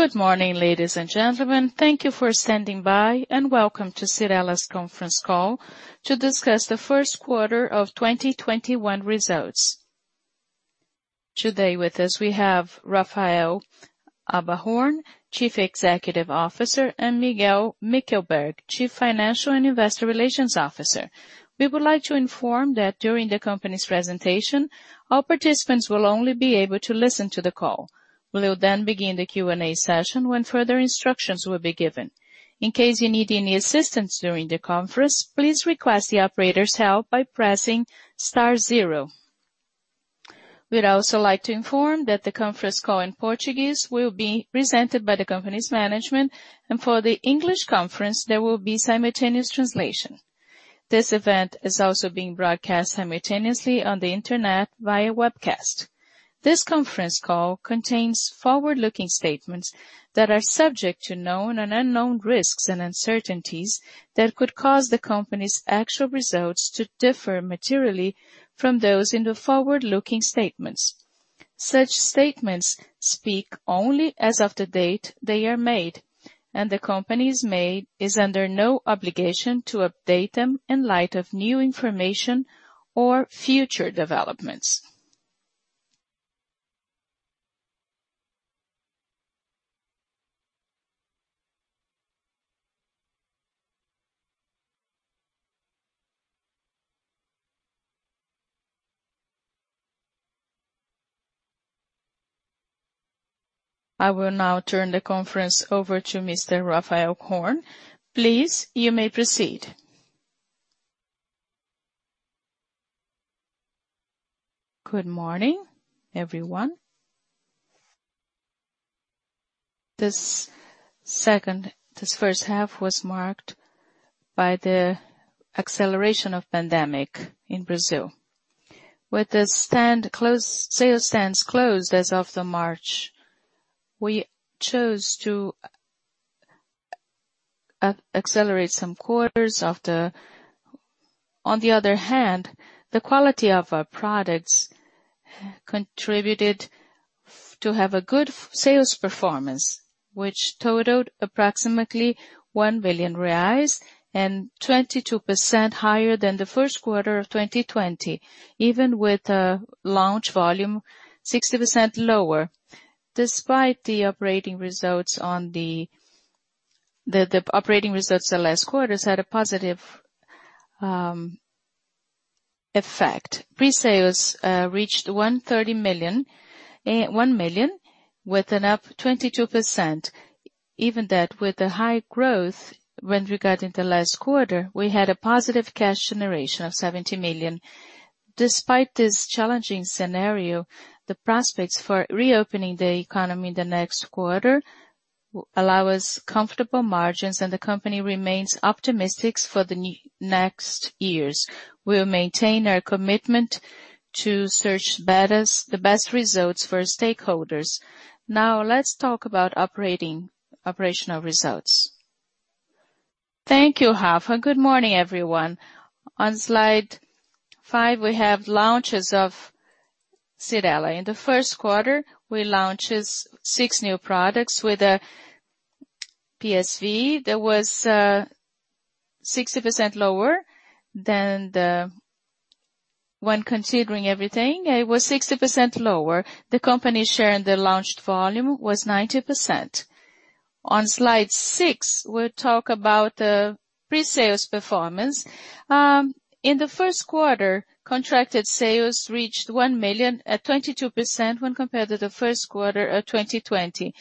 Good morning, ladies and gentlemen. Thank you for standing by and welcome to Cyrela's conference call to discuss the first quarter of 2021 results. Today with us, we have Raphael Abba Horn, Chief Executive Officer, and Miguel Mickelberg, Chief Financial and Investor Relations Officer. We would like to inform that during the company's presentation, all participants will only be able to listen to the call. We will then begin the Q&A session when further instructions will be given. In case you need any assistance during the conference, please request the operator's help by pressing star zero. We'd also like to inform that the conference call in Portuguese will be presented by the company's management, and for the English conference, there will be simultaneous translation. This event is also being broadcast simultaneously on the internet via webcast. This conference call contains forward-looking statements that are subject to known and unknown risks and uncertainties that could cause the company's actual results to differ materially from those in the forward-looking statements. Such statements speak only as of the date they are made, and the company is under no obligation to update them in light of new information or future developments. I will now turn the conference over to Mr. Raphael Horn. Please, you may proceed. Good morning, everyone. This first half was marked by the acceleration of pandemic in Brazil. With the sales stands closed as of the March, we chose to accelerate some quarters. On the other hand, the quality of our products contributed to have a good sales performance, which totaled approximately 1 billion reais and 22% higher than the first quarter of 2020, even with a launch volume 60% lower. Despite the operating results the last quarter has had a positive effect. Pre-sales reached 1 million with an up 22%. Even that with the high growth when we got into last quarter, we had a positive cash generation of 70 million. Despite this challenging scenario, the prospects for reopening the economy in the next quarter allow us comfortable margins and the company remains optimistic for the next years. We'll maintain our commitment to search the best results for stakeholders. Now let's talk about operational results. Thank you, Rafa. Good morning, everyone. On slide five, we have launches of Cyrela. In the first quarter, we launched six new products with a PSV that was 60% lower. When considering everything, it was 60% lower. The company share in the launched volume was 90%. On slide six, we'll talk about the pre-sales performance. In the first quarter, contracted sales reached 1 million at 22% when compared to the first quarter of 2020.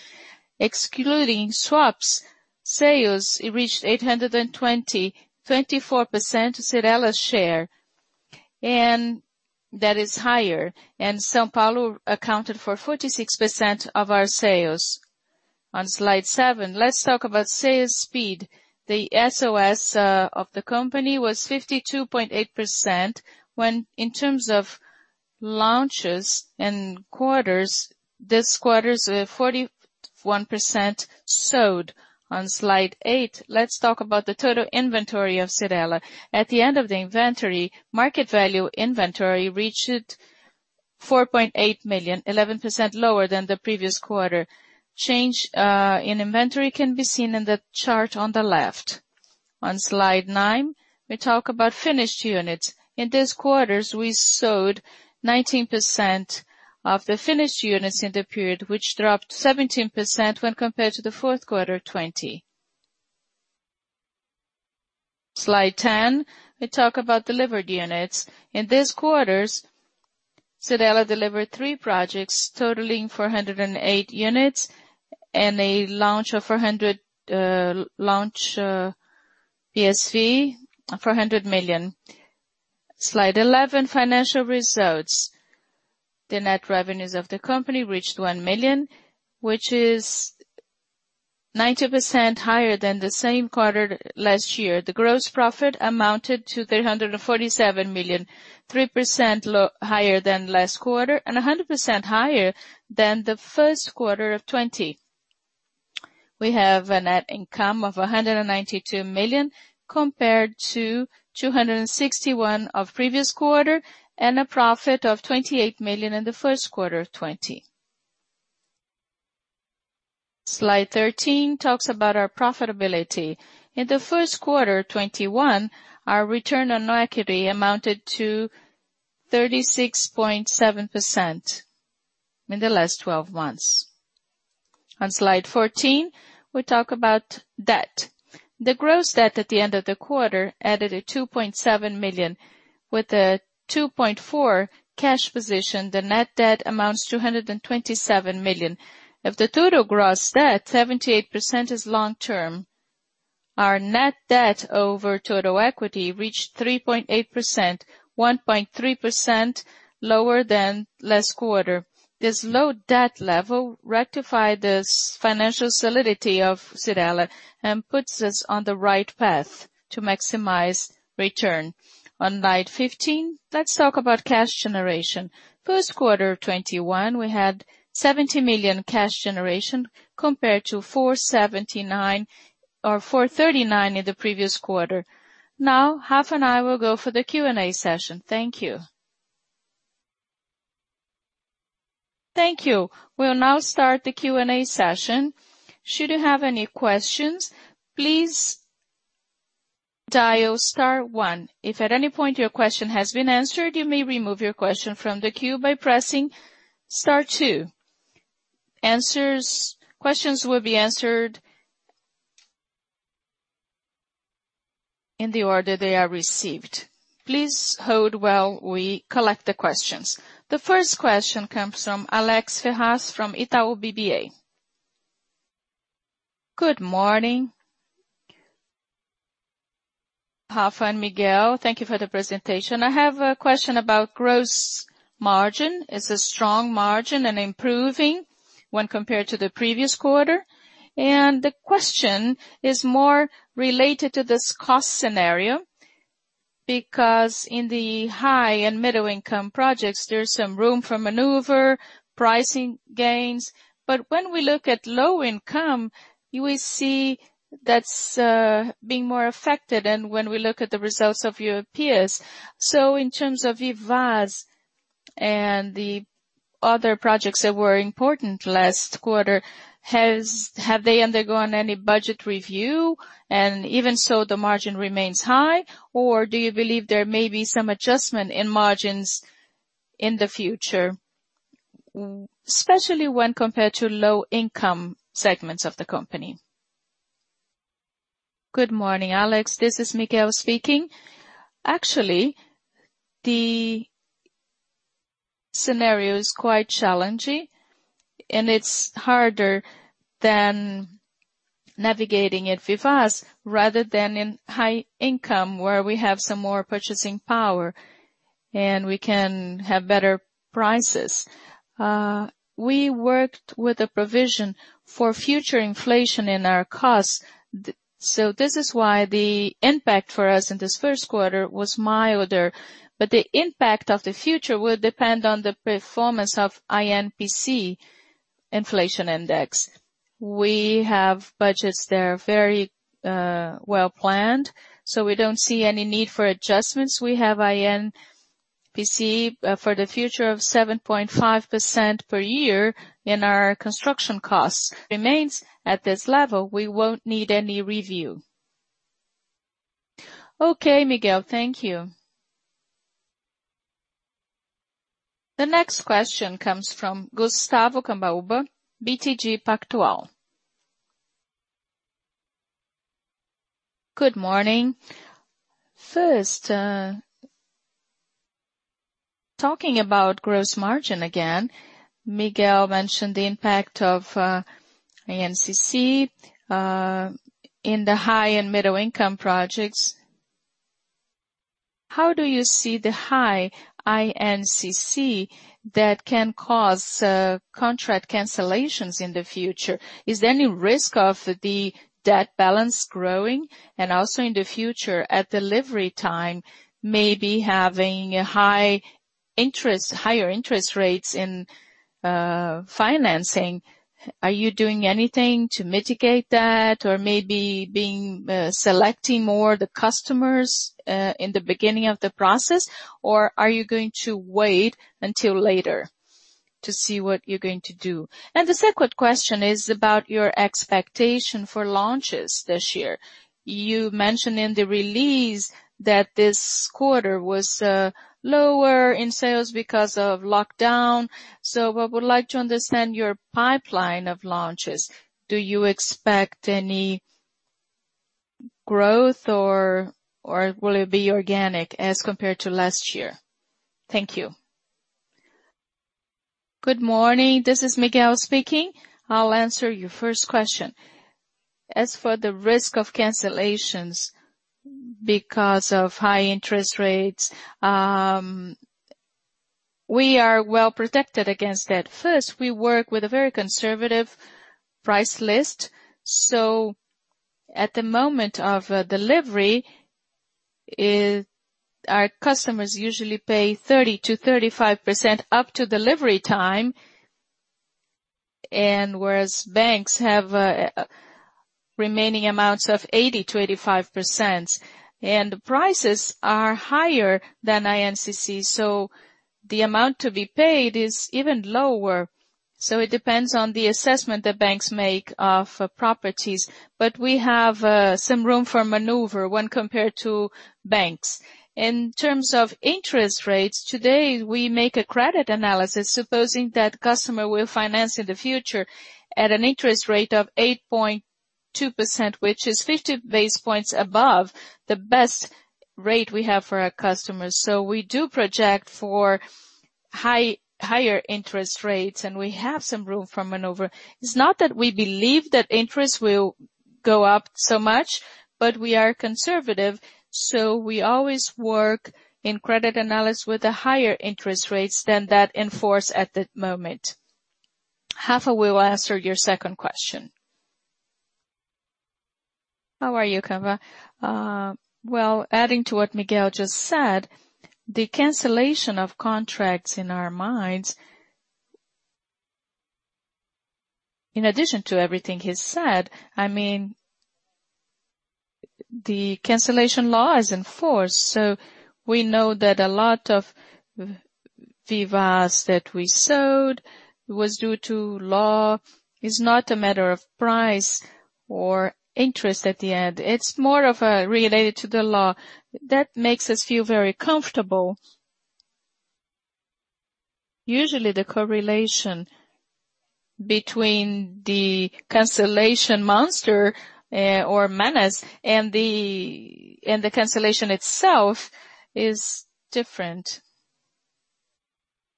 Excluding swaps, sales reached 820 million, 24% Cyrela's share, and that is higher, and São Paulo accounted for 46% of our sales. On slide seven, let's talk about sales speed. The SOS of the company was 52.8% when in terms of launches and quarters, this quarters is a 41% sold. On slide eight, let's talk about the total inventory of Cyrela. At the end of the inventory, market value inventory reached 4.8 million, 11% lower than the previous quarter. Change in inventory can be seen in the chart on the left. On slide nine, we talk about finished units. In this quarters, we sold 19% of the finished units in the period, which dropped 17% when compared to the fourth quarter of 2020. Slide 10, we talk about delivered units. In this quarter, Cyrela delivered three projects totaling 408 units and a launch PSV of 400 million. Slide 11, financial results. The net revenues of the company reached 1 million, which is 90% higher than the same quarter last year. The gross profit amounted to 347 million, 3% higher than last quarter and 100% higher than the first quarter of 2020. We have a net income of 192 million compared to 261 of previous quarter and a profit of 28 million in the first quarter of 2020. Slide 13 talks about our profitability. In the first quarter of 2021, our return on equity amounted to 36.7% in the last 12 months. On slide 14, we talk about debt. The gross debt at the end of the quarter added a 2.7 billion. With a 2.4 billion cash position, the net debt amounts to 227 million. Of the total gross debt, 78% is long-term. Our net debt over total equity reached 3.8%, 1.3% lower than last quarter. This low debt level rectify this financial solidity of Cyrela and puts us on the right path to maximize return. On slide 15, let's talk about cash generation. First quarter of 2021, we had 70 million cash generation compared to 439 million in the previous quarter. Rafa and I will go for the Q&A session. Thank you. Thank you. We'll now start the Q&A session. Should you have any questions, please dial star one. If at any point your question has been answered, you may remove your question from the queue by pressing star two. Questions will be answered in the order they are received. Please hold while we collect the questions. The first question comes from Alex Ferraz from Itaú BBA. Good morning, Rafa and Miguel. Thank you for the presentation. I have a question about gross margin. It's a strong margin and improving when compared to the previous quarter. The question is more related to this cost scenario, because in the high and middle-income projects, there's some room for maneuver, pricing gains. When we look at low income, we see that's being more affected and when we look at the results of your peers. In terms of Vivaz and the other projects that were important last quarter, have they undergone any budget review? Even so, the margin remains high, or do you believe there may be some adjustment in margins in the future, especially when compared to low income segments of the company? Good morning, Alex. This is Miguel speaking. Actually, the scenario is quite challenging, and it's harder than navigating at Vivaz rather than in high income, where we have some more purchasing power, and we can have better prices. We worked with a provision for future inflation in our costs. This is why the impact for us in this first quarter was milder. The impact of the future will depend on the performance of INPC inflation index. We have budgets there very well planned, we don't see any need for adjustments. We have INPC for the future of 7.5% per year in our construction costs. Remains at this level, we won't need any review. Okay, Miguel. Thank you. The next question comes from Gustavo Cambauva, BTG Pactual. Good morning. First, talking about gross margin again, Miguel mentioned the impact of INCC in the high and middle income projects. How do you see the high INCC that can cause contract cancellations in the future? Is there any risk of the debt balance growing? Also in the future at delivery time, maybe having higher interest rates in financing. Are you doing anything to mitigate that? Maybe selecting more the customers in the beginning of the process, or are you going to wait until later to see what you're going to do? The second question is about your expectation for launches this year. You mentioned in the release that this quarter was lower in sales because of lockdown. I would like to understand your pipeline of launches. Do you expect any growth, or will it be organic as compared to last year? Thank you. Good morning. This is Miguel speaking. I'll answer your first question. As for the risk of cancellations because of high interest rates, we are well protected against that. First, we work with a very conservative price list. At the moment of delivery, our customers usually pay 30%-35% up to delivery time, and whereas banks have remaining amounts of 80%-85%, and the prices are higher than INCC. The amount to be paid is even lower. It depends on the assessment that banks make of properties. We have some room for maneuver when compared to banks. In terms of interest rates, today, we make a credit analysis supposing that customer will finance in the future at an interest rate of 8.2%, which is 50 basis points above the best rate we have for our customers. We do project for higher interest rates, and we have some room for maneuver. It's not that we believe that interest will go up so much, but we are conservative. We always work in credit analysis with the higher interest rates than that in force at that moment. Rafa will answer your second question. How are you, Camba? Well, adding to what Miguel just said, the cancellation of contracts in our minds, in addition to everything he said, the cancellation law is in force. We know that a lot of Vivaz that we sold was due to law. It's not a matter of price or interest at the end. It's more related to the law. That makes us feel very comfortable. Usually, the correlation between the cancellation monster or menace and the cancellation itself is different.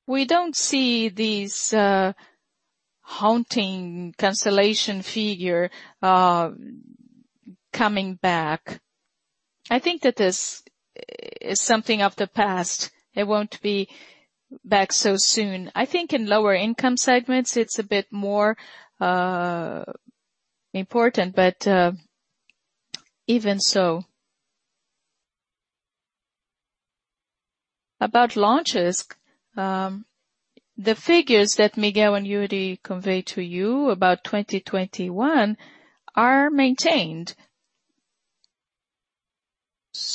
We don't see this haunting cancellation figure coming back. I think that is something of the past. It won't be back so soon. I think in lower-income segments, it's a bit more important, but even so. About launches, the figures that Miguel and Iuri conveyed to you about 2021 are maintained.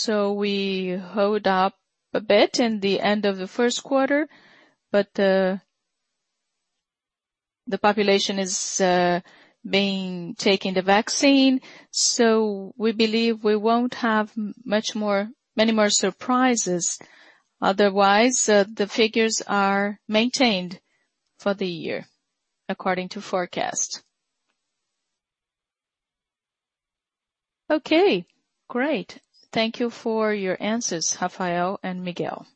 We hold up a bit in the end of the first quarter, the population is taking the vaccine, we believe we won't have many more surprises. Otherwise, the figures are maintained for the year according to forecast. Okay, great. Thank you for your answers, Raphael and Miguel.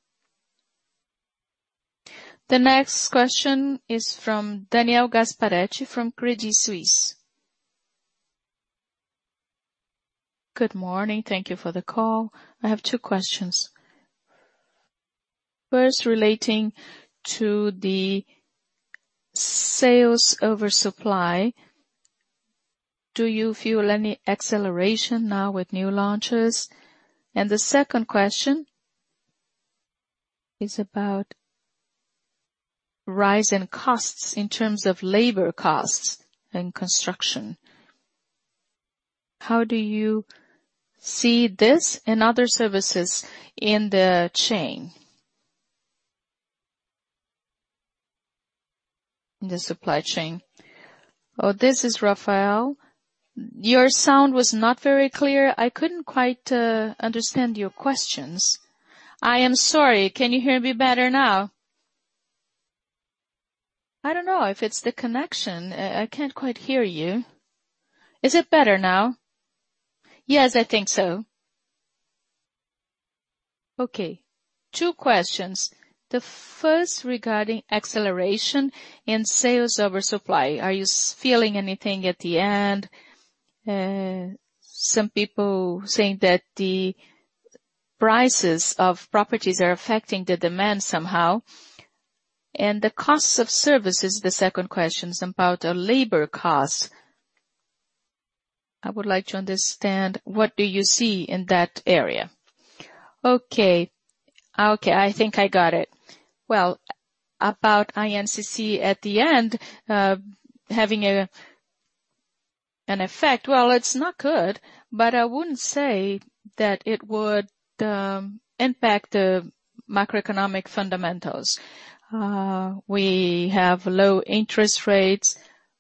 The next question is from Daniel Gasparete from Credit Suisse. Good morning. Thank you for the call. I have two questions. First, relating to the sales over supply. Do you feel any acceleration now with new launches? The second question is about rise in costs in terms of labor costs and construction. How do you see this and other services in the chain, in the supply chain? This is Raphael. Your sound was not very clear. I couldn't quite understand your questions. I am sorry. Can you hear me better now? I don't know if it's the connection. I can't quite hear you. Is it better now? Yes, I think so. Okay. Two questions. The first regarding acceleration in sales over supply. Are you feeling anything at the end? Some people saying that the prices of properties are affecting the demand somehow. The cost of service is the second question. It's about labor cost. I would like to understand what do you see in that area? Okay. I think I got it. Well, about INCC at the end having an effect. Well, it's not good, but I wouldn't say that it would impact the macroeconomic fundamentals. We have low interest rates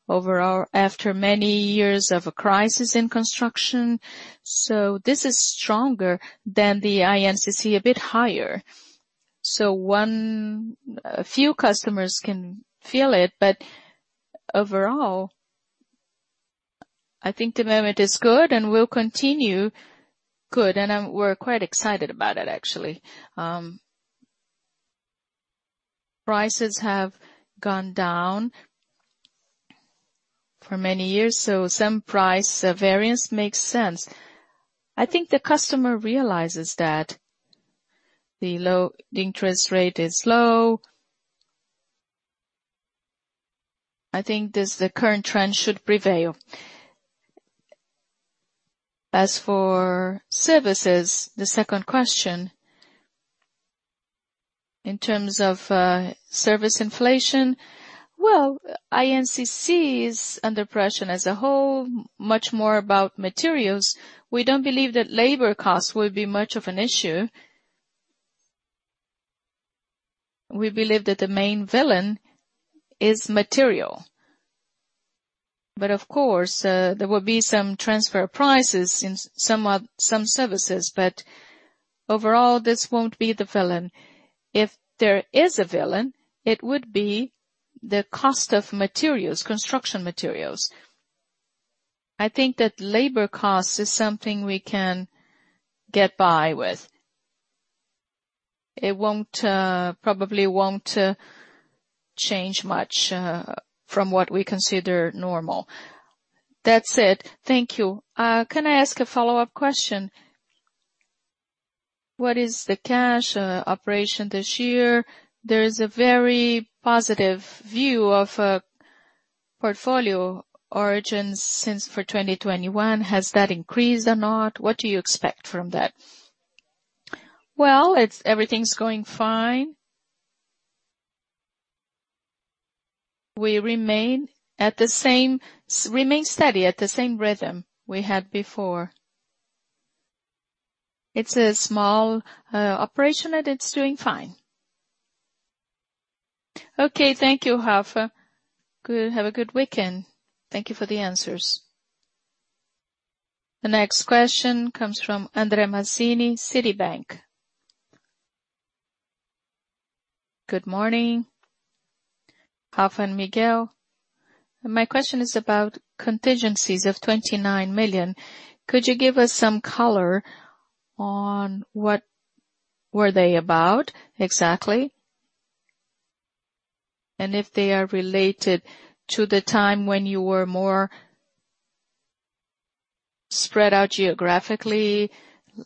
overall after many years of a crisis in construction. This is stronger than the INCC, a bit higher. A few customers can feel it, but overall, I think the moment is good and will continue good, and we're quite excited about it actually. Prices have gone down for many years, so some price variance makes sense. I think the customer realizes that the interest rate is low. I think this, the current trend should prevail. As for services, the second question. In terms of service inflation, well, INCC is under pressure as a whole, much more about materials. We don't believe that labor costs will be much of an issue. We believe that the main villain is material. Of course, there will be some transfer prices in some services, but overall, this won't be the villain. If there is a villain, it would be the cost of materials, construction materials. I think that labor cost is something we can get by with. It probably won't change much from what we consider normal. That's it. Thank you. Can I ask a follow-up question? What is the cash operation this year? There's a very positive view of a portfolio [originations] for 2021. Has that increased or not? What do you expect from that? Well, everything's going fine. We remain steady at the same rhythm we had before. It's a small operation, and it's doing fine. Okay, thank you, Rafa. Have a good weekend. Thank you for the answers. The next question comes from André Mazini, Citibank. Good morning, Rafa and Miguel. My question is about contingencies of 29 million. Could you give us some color on what were they about exactly, and if they are related to the time when you were more spread out geographically,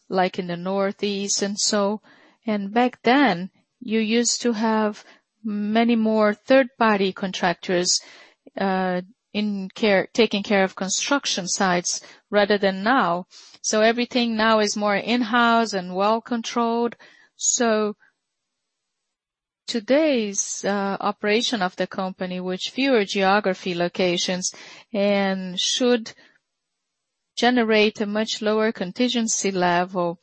like in the Northeast and so. Back then, you used to have many more third-party contractors taking care of construction sites, rather than now. Everything now is more in-house and well controlled. Today's operation of the company with fewer geography locations and should generate a much lower contingency level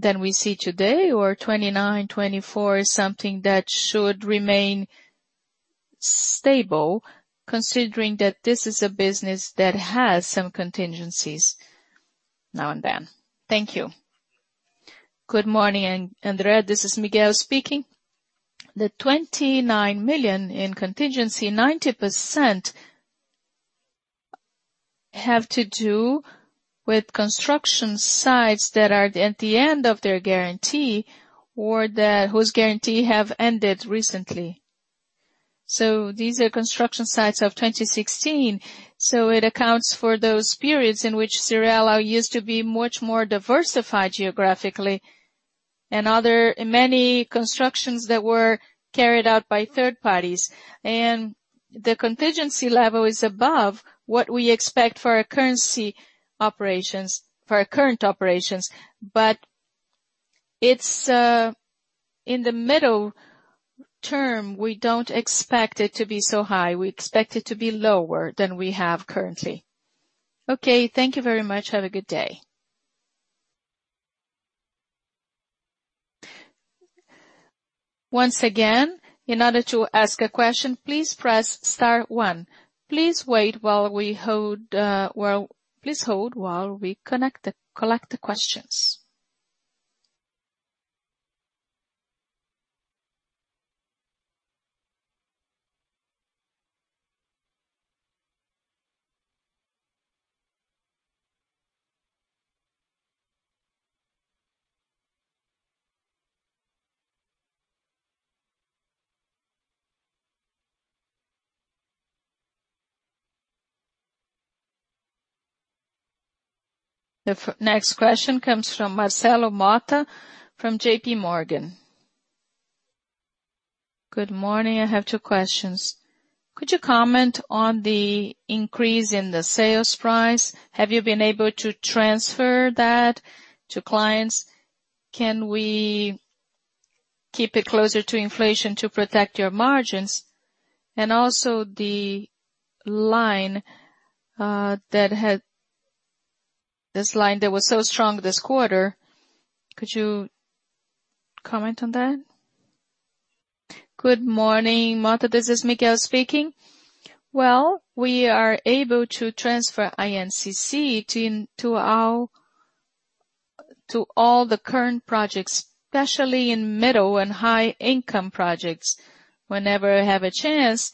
than we see today, or 29 million, 24 million something that should remain stable, considering that this is a business that has some contingencies on them. Thank you. Good morning, André. This is Miguel speaking. The 29 million in contingency, 90% have to do with construction sites that are at the end of their guarantee or whose guarantee have ended recently. These are construction sites of 2016. It accounts for those periods in which Cyrela used to be much more diversified geographically and many constructions that were carried out by third parties. The contingency level is above what we expect for our current operations, but in the middle term, we don't expect it to be so high. We expect it to be lower than we have currently. Okay, thank you very much. Have a good day. Once again, in order to ask a question, please press star one. Please hold while we collect the questions. The next question comes from Marcelo Motta from JPMorgan. Good morning. I have two questions. Could you comment on the increase in the sales price? Have you been able to transfer that to clients? Can we keep it closer to inflation to protect your margins? Also the line, this line that was so strong this quarter, could you comment on that? Good morning, Motta. This is Miguel speaking. Well, we are able to transfer INCC to all the current projects, especially in middle- and high-income projects. Whenever we have a chance,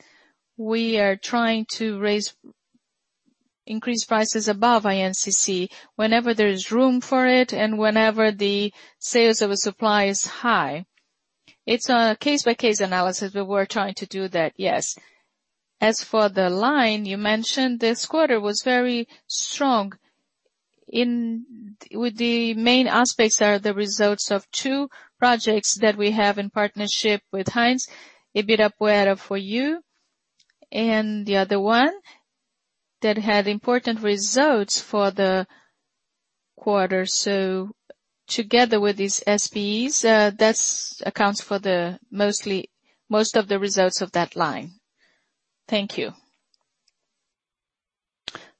we are trying to increase prices above INCC, whenever there is room for it and whenever the sales over supply is high. It's a case-by-case analysis. We're trying to do that, yes. As for the line you mentioned, this quarter was very strong. With the main aspects are the results of two projects that we have in partnership with Hines, Ibirapuera by YOO, and the other one that had important results for the quarter. Together with these SPEs, that accounts for most of the results of that line. Thank you.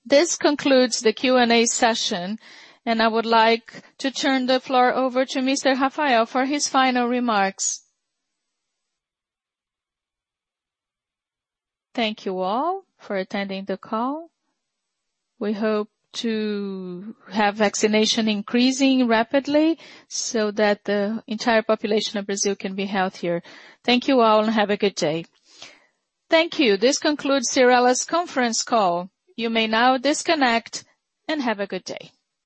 This concludes the Q&A session. I would like to turn the floor over to Mr. Raphael for his final remarks. Thank you all for attending the call. We hope to have vaccination increasing rapidly so that the entire population of Brazil can be healthier. Thank you all and have a good day. Thank you. This concludes Cyrela's conference call. You may now disconnect and have a good day.